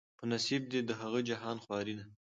په نصیب دي د هغه جهان خواري ده